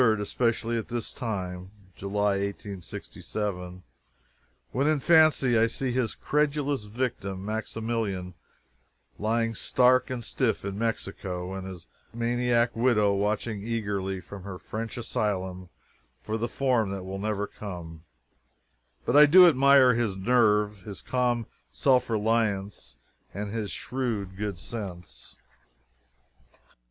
especially at this time, [July, 1867.] when in fancy I see his credulous victim, Maximilian, lying stark and stiff in Mexico, and his maniac widow watching eagerly from her French asylum for the form that will never come but I do admire his nerve, his calm self reliance, his shrewd good sense.